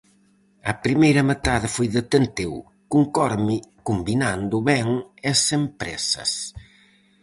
A primeira metade foi de tenteo, cun Corme combinando ben e sen presas.